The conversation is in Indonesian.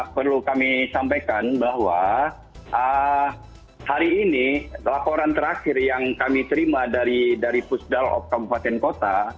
perlu kami sampaikan bahwa hari ini laporan terakhir yang kami terima dari pusdal kabupaten kota